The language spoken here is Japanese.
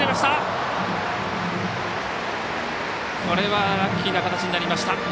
これは、ラッキーな形になりました。